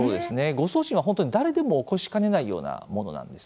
誤送信は本当に誰でも起こしかねないようなものなんです。